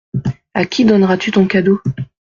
À qui donneras-tu ton cadeau ?